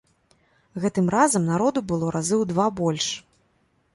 Гэтым разам народу было разы ў два больш.